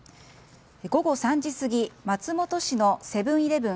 午後３時過ぎ、松本市セブン‐イレブン